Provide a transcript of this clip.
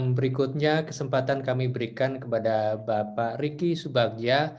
berikutnya kesempatan kami berikan kepada bapak ricky subagnya